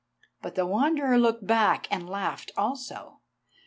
But the Wanderer looked back and laughed also.